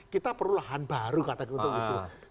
kita perlu lahan baru kata ketutup gitu